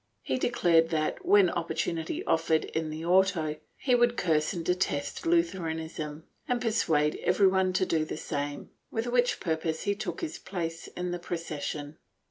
He declared that, when opportunity offered in the auto, he would curse and detest Lutheranism and persuade everyone to do the same, with which purpose he took his place in the procession.